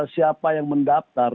siapa yang mendaftar